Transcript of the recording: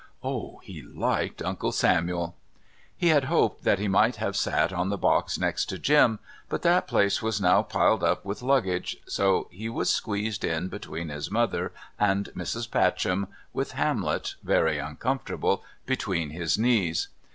Oh! he liked Uncle Samuel! He had hoped that he might have sat on the box next to Jim, but that place was now piled up with luggage, so he was squeezed in between his mother and Mrs. Patcham, with Hamlet, very uncomfortable, between his knees.